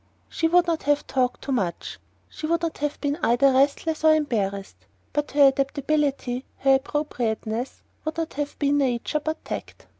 She would not have talked too much; she would not have been either restless or embarrassed; but her adaptability, her appropriateness, would not have been nature but "tact."